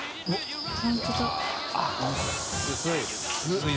薄い！